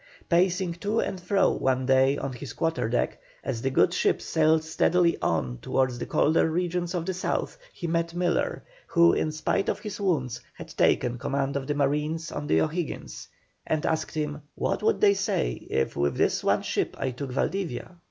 Pacing to and fro one day on his quarter deck, as the good ship sailed steadily on towards the colder regions of the South, he met Miller, who, in spite of his wounds, had taken command of the marines on the O'Higgins, and asked him "What would they say if with this one ship I took Valdivia?"